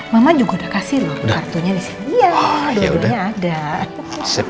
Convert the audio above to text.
mama juga kasih